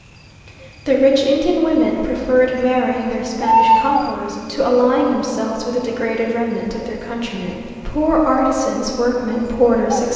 The rich Indian women preferred marrying their Spanish conquerors to allying themselves with the degraded remnant of their countrymen; poor artisans, workmen, porters, etc.